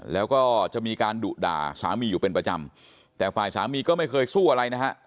แล้วก็จะมีการดุด่าสามีอยู่เป็นประจำแต่ฝ่ายสามีก็ไม่เคยสู้อะไรนะฮะ